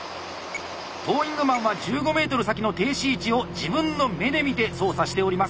トーイングマンは１５ｍ先の停止位置を自分の目で見て操作しております。